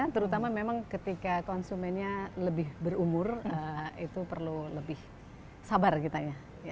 terutama memang ketika konsumennya lebih berumur itu perlu lebih sabar kita ya